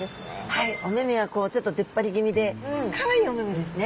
はいお目目はちょっと出っ張り気味でかわいいお目目ですね。